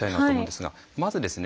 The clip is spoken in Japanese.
まずですね